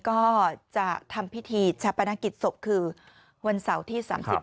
ก็จะทำพิธีชะปนักกิดศพคือวันเส้าที่สามสิบ